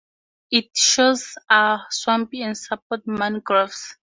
Its shores are swampy and support mangroves.